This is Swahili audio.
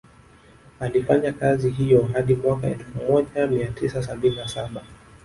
Alifanya kazi hiyo hadi mwaka elfu moja mia tisa sabini na saba